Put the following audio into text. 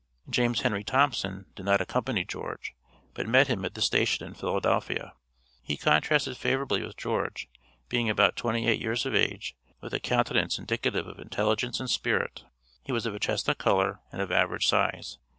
James Henry Thompson did not accompany George, but met him at the station in Philadelphia. He contrasted favorably with George, being about twenty eight years of age, with a countenance indicative of intelligence and spirit. He was of a chestnut color and of average size.